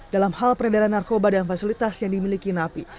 dalam hal peredaran narkoba dan fasilitas yang dimiliki napi